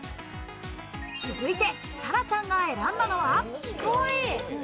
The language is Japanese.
続いて紗来ちゃんが選んだのは。